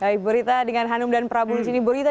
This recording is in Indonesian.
baik bu rita dengan hanum dan prabu di sini bu rita